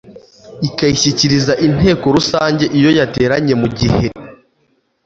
akayishyikiriza inteko rusange iyo yateranye mu gihe